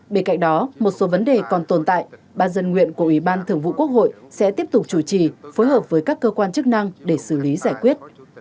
bên cạnh đó một số vấn đề còn tồn tại ban dân nguyện của ủy ban thường vụ quốc hội sẽ tiếp tục chủ trì phối hợp với các cơ quan chức năng để xử lý giải quyết